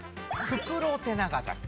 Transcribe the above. フクロテナガザル。